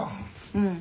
うん。